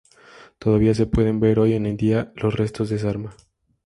Todavía se pueden ver hoy en día los restos de esta arma.